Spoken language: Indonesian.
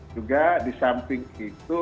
juga di samping itu